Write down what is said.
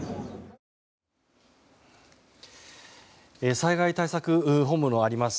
災害対策本部のあります